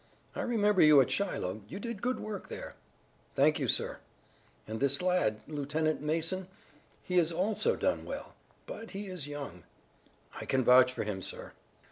"I remember you at Shiloh. You did good work there." "Thank you, sir." "And this lad, Lieutenant Mason, he has also done well. But he is young." "I can vouch for him, sir."